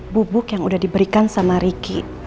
bubuk yang udah diberikan sama ricky